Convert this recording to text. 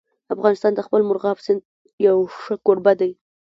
افغانستان د خپل مورغاب سیند یو ښه کوربه دی.